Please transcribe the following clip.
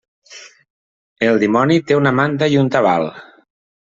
El dimoni té una manta i un tabal.